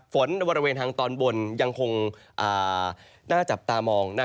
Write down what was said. บริเวณทางตอนบนยังคงน่าจับตามอง